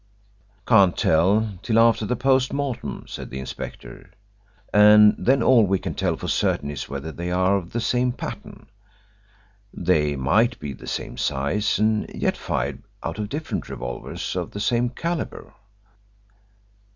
"Can't tell till after the post mortem," said the inspector. "And then all we can tell for certain is whether they are of the same pattern. They might be the same size, and yet be fired out of different revolvers of the same calibre."